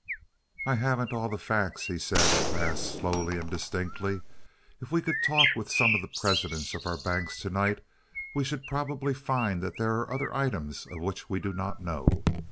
"I haven't all the facts," he said, at last, slowly and distinctly. "If we could talk with some of the presidents of our banks to night, we should probably find that there are other items of which we do not know.